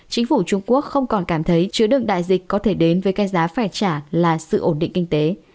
chính phủ trung quốc không còn cảm thấy chứa đựng đại dịch có thể đến với cái giá phải trả là sự ổn định kinh tế